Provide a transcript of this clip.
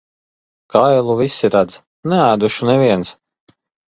Kailu visi redz, neēdušu neviens.